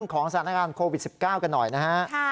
ของสถานการณ์โควิด๑๙กันหน่อยนะฮะ